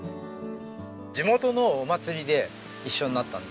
地元のお祭りで一緒になったんですねはい。